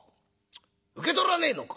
受け取らねえのか。